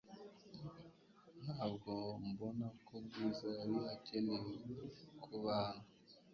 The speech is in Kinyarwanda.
Ntabwo mbona ko Bwiza yari akeneye kuba hano .